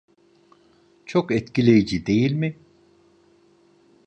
Çok etkileyici, değil mi?